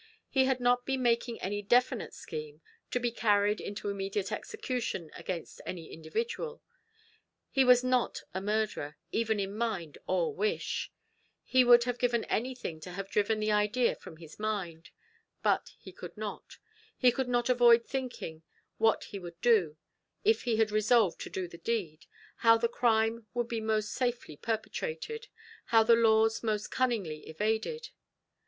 He had not been making any definite scheme, to be carried into immediate execution against any individual. He was not a murderer, even in mind or wish; he would have given anything to have driven the idea from his mind, but he could not; he could not avoid thinking what he would do, if he had resolved to do the deed how the crime would be most safely perpetrated how the laws most cunningly evaded.